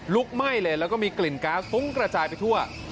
ไหม้เลยแล้วก็มีกลิ่นก๊าซฟุ้งกระจายไปทั่ว